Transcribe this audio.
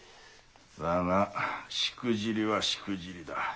だがしくじりはしくじりだ。